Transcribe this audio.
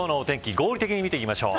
合理的に見ていきましょう。